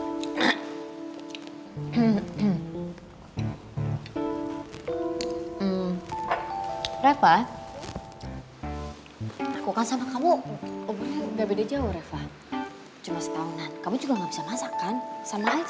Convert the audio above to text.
mir lenpat kan sama kamu tidak beda jawa rufwa cuma setahunan kamu juga masih masakkan sama aja